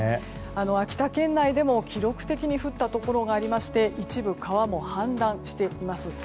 秋田県内でも記録的に降ったところがありまして一部、川も氾濫しています。